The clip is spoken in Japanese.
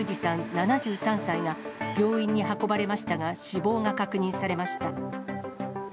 ７３歳が病院に運ばれましたが、死亡が確認されました。